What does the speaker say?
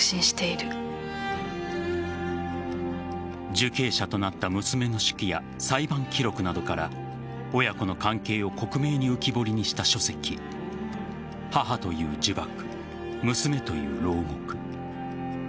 受刑者となった娘の手記や裁判記録などから親子の関係を克明に浮き彫りにした書籍「母という呪縛娘という牢獄」